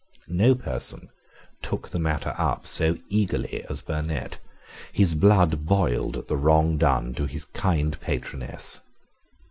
No person took the matter up so eagerly as Burnet. His blood boiled at the wrong done to his kind patroness.